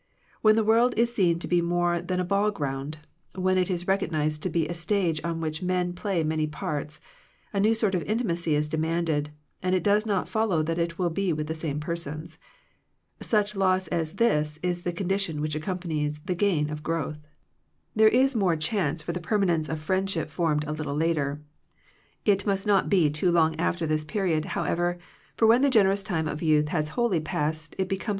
When the world is seen to be more than a ball ground, when it is recognized to be a stage on which men play many parts, a new sort of intimacy is demanded, and it does not follow that it will be with the same persons. Such loss as this is the condition which accom panies the gain of growth. 141 Digitized by VjOOQIC THE WRECK OF FRIENDSHIP There is more chance for the perma nence of friendships formed a little later. It must not be too long after this period, however; for, when the generous time of youth has wholly passed, it becomes hard to make new connections.